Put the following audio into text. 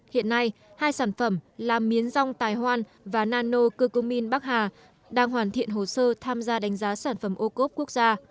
hiện nay hai sản phẩm là miến rong tài hoan và nano cơ cung minh bắc hà đang hoàn thiện hồ sơ tham gia đánh giá sản phẩm ocob quốc gia